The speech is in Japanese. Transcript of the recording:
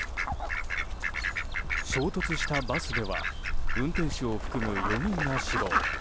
衝突したバスでは運転手を含む４人が死亡。